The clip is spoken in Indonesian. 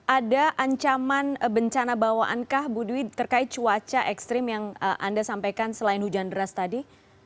ada ancaman bencana bawaankah bu dwi terkait cuaca ekstrim yang anda sampaikan selain hujan deras tadi